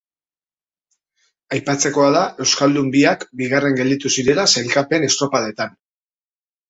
Aipatzekoa da euskaldun biak bigarren gelditu zirela sailkapen estropadetan.